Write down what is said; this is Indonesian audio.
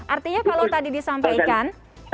artinya kalau tadi disampaikan